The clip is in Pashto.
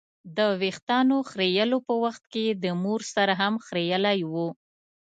د ویښتانو خریلو په وخت یې د مور سر هم خرېیلی و.